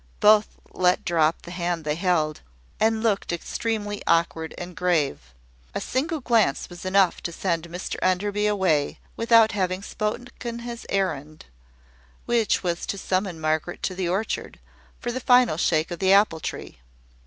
Both let drop the hand they held, and looked extremely awkward and grave. A single glance was enough to send Mr Enderby away, without having spoken his errand, which was to summon Margaret to the orchard, for the final shake of the apple tree.